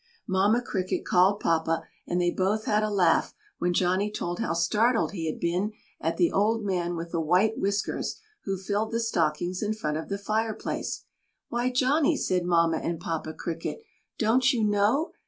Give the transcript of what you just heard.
Mamma Cricket called Papa and they both had a laugh when Johnny told how startled he had been at the old man with the white whiskers who filled the stockings in front of the fireplace. "Why, Johnny!" said Mamma and Papa Cricket. "Don't you know?